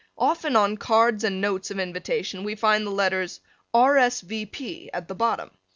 Often on cards and notes of invitation we find the letters R. S. V. P. at the bottom.